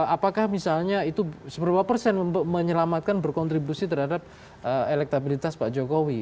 apakah misalnya itu seberapa persen untuk menyelamatkan berkontribusi terhadap elektabilitas pak jokowi